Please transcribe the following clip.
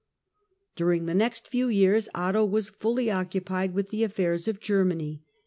Revolt of During the next few years Otto was fully occupied Swabia ""^ with the affairs of Germany.